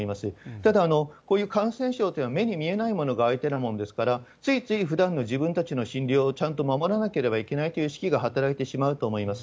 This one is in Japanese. ただ、こういう感染症というのは目に見えないものが相手なもんですから、ついついふだんの自分たちの診療をちゃんと守らなければいけないという意識が働いてしまうと思います。